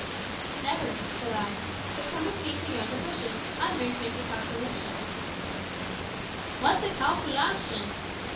"Never," said I. "But come with me to yonder bushes. I'm going to make a calculation." "What's a calcoolashun?"